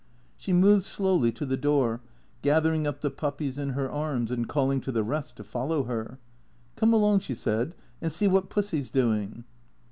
She moved slowly to the door, gathering up the puppies in her arms, and calling to the rest to follow her. " Come along," she said, " and see what Pussy's doing."